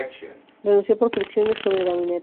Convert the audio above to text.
Renunció por fricciones con el gabinete.